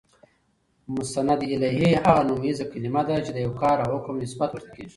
مسندالیه: هغه نومیزه کلیمه ده، چي د یو کار او حکم نسبت ورته کیږي.